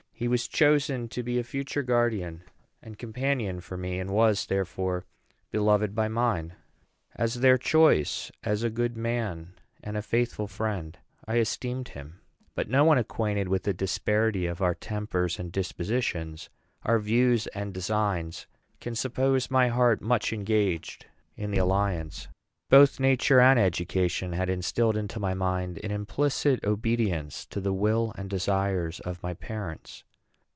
He was chosen to be a future guardian and companion for me, and was, therefore, beloved by mine. As their choice, as a good man, and a faithful friend, I esteemed him; but no one acquainted with the disparity of our tempers and dispositions, our views and designs, can suppose my heart much engaged in the alliance. Both nature and education had instilled into my mind an implicit obedience to the will and desires of my parents.